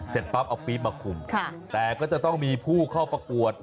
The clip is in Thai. ปั๊บเอาปี๊บมาคุมแต่ก็จะต้องมีผู้เข้าประกวด